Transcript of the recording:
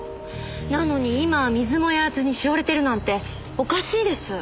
なのに今は水もやらずにしおれてるなんておかしいです。